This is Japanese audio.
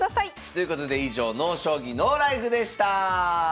ということで以上「ＮＯ将棋ＮＯＬＩＦＥ」でした！